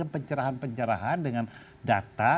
pencerahan pencerahan dengan data